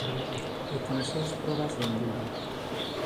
E con seis probas de enduro.